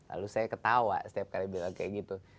lalu saya ketawa setiap kali bilang kayak gitu